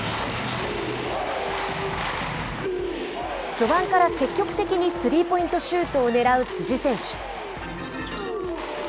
序盤から積極的にスリーポイントシュートをねらう辻選手。